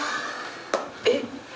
えっ。